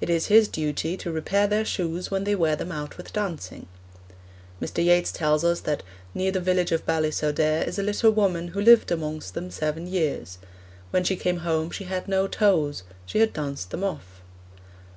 It is his duty to repair their shoes when they wear them out with dancing. Mr. Yeats tells us that 'near the village of Ballisodare is a little woman who lived amongst them seven years. When she came home she had no toes she had danced them off.'